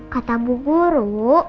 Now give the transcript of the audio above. kata bu guru